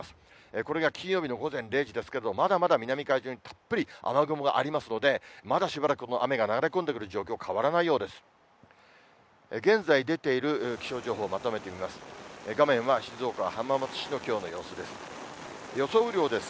これが金曜日の午前０時ですけど、まだまだ南海上にたっぷり雨雲がありますので、まだしばらく、この雨が流れ込んでくる状況、変わらないようです。